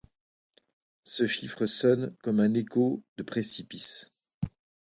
Ce chiffre sonne comme un écho de précipice.